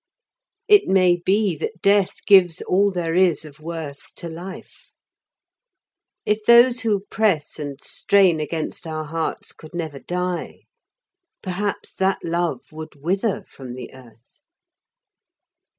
It may be that death gives all there is of worth to life. If those who press and strain against our hearts could never die, perhaps that love would wither from the earth.